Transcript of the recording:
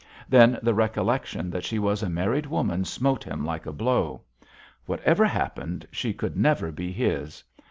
Then the recollection that she was a married woman smote him like a blow. Whatever happened, she could never be his.